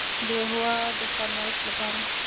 د هېواد د سرنوشت لپاره